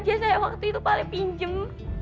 ijazah ijazah yang waktu itu paling pinjem